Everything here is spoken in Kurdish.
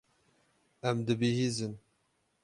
Em dibihîzin.